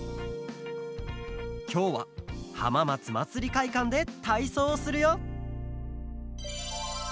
きょうははままつまつりかいかんでたいそうをするよ！